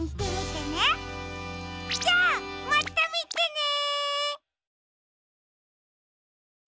じゃあまたみてね！